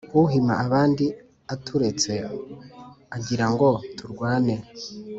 Uhima abandi aturetse agirango turwane